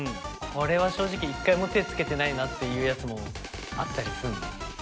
これは正直一回も手つけてないなっていうやつもあったりすんの？